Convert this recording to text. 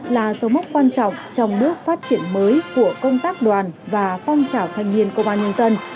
là dấu mốc quan trọng trong bước phát triển mới của công tác đoàn và phong trào thanh niên công an nhân dân